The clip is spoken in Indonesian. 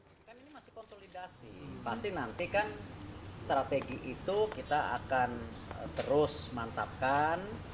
ini kan ini masih konsolidasi pasti nanti kan strategi itu kita akan terus mantapkan